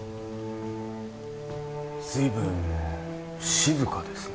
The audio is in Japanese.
随分静かですね